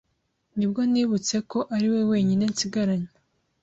nibwo nibutse ko ari we wenyine nsigaranye